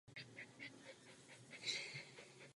Metro doplňuje síť tramvají.